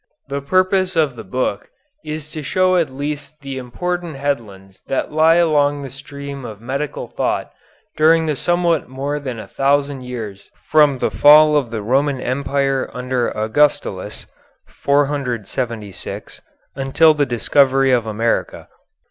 The purpose of the book is to show at least the important headlands that lie along the stream of medical thought during the somewhat more than a thousand years from the fall of the Roman Empire under Augustulus (476) until the discovery of America.